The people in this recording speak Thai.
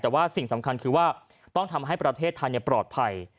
แต่ว่าสิ่งสำคัญคือว่าต้องทำให้ประเทศไทยปลอดภัย